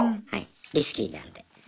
リスキーなんで。